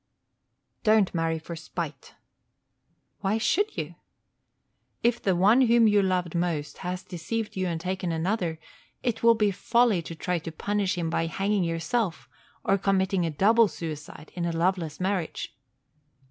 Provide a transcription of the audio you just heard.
Don't marry for spite. Why should you? If the one whom you loved most has deceived you and taken another, it will be folly to try to punish him by hanging yourself, or committing a double suicide in a loveless marriage.